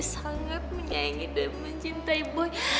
sangat menyayangi dan mencintai boy